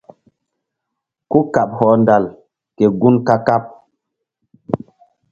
Kúkaɓ hɔndal ke gun ka-kaɓ.